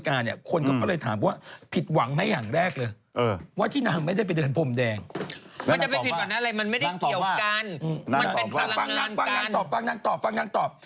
มันเป็นพลังงานกันฟังนางตอบ